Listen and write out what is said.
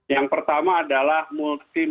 yang pertama adalah multiminisial